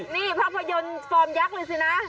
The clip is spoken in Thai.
นี่ภาพยนตร์ฟอร์มยักษ์เลยสินะ